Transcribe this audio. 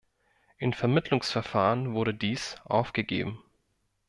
Im Vermittlungsverfahren wurde dies aufgegeben.